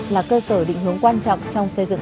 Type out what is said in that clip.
là cơ sở định hướng quan trọng trong xây dựng